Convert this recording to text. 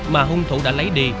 mà hung thủ đã lấy đi